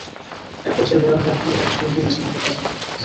একপর্যায়ে বেলাল তাঁর কোমরে রাখা ছুরি দিয়ে নাসিমার পেটে আঘাত করেন।